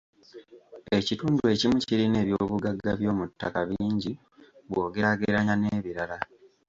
Ekitundu ekimu kirina eby'obugagga by'omu ttaka bingi bw'ogeraageranya n'ebirala.